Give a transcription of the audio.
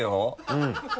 うん。